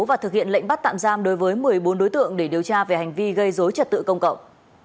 và thực hiện lệnh bắt tạm giam đối với một mươi bốn đối tượng để điều tra về hành vi gây dối trật tự công cộng